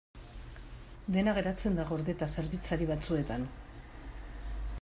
Dena geratzen da gordeta zerbitzari batzuetan.